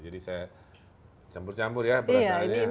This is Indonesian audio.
jadi saya campur campur ya perasaannya